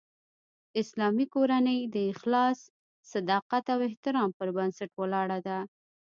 اسلامي کورنۍ د اخلاص، صداقت او احترام پر بنسټ ولاړه ده